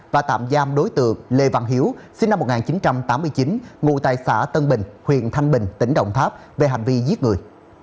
và tạm giam đối tượng lê văn hiếu sinh năm một nghìn chín trăm tám mươi chín ngụ tại xã tân bình huyện thanh bình tỉnh đồng tháp về hành vi giết người